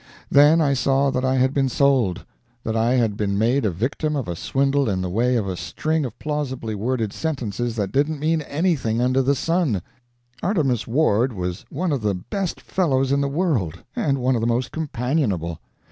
Then I saw that I had been sold that I had been made a victim of a swindle in the way of a string of plausibly worded sentences that didn't mean anything under the sun. Artemus Ward was one of the best fellows in the world, and one of the most companionable.